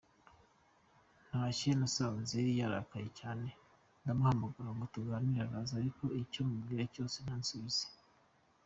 Ntashye nasanze yarakaye cyane, ndamuhamagara ngo tuganire araza ariko icyo mubwiye cyose ntansubize.